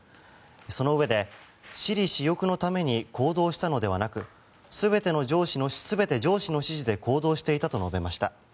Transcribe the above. そのうえで、私利私欲のために行動したのではなく全て上司の指示で行動していたと述べました。